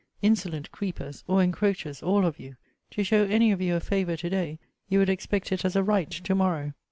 Insolent creepers, or encroachers all of you! To show any of you a favour to day, you would expect it as a right to morrow.